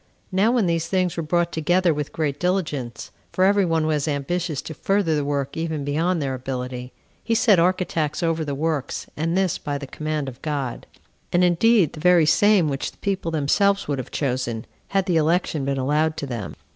Now when these things were brought together with great diligence, [for every one was ambitious to further the work even beyond their ability,] he set architects over the works, and this by the command of God; and indeed the very same which the people themselves would have chosen, had the election been allowed to them.